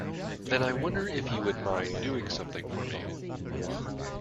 Then I wonder if you would mind doing something for me.